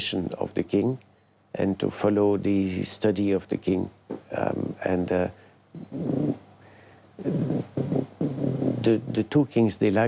ถามพ่อของพ่อว่าถ้าพ่อจะรับธุรกิจนี้